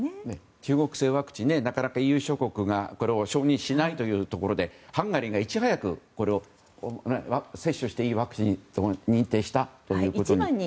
中国製ワクチンはなかなかＥＵ諸国がこれを承認しないということでハンガリーがいち早くこれを接種していいワクチンに認定したということに。